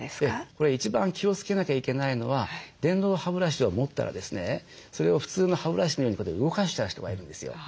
これ一番気をつけなきゃいけないのは電動歯ブラシを持ったらですねそれを普通の歯ブラシのようにこうやって動かしちゃう人がいるんですよ。